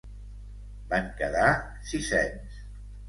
Van quedar sisens.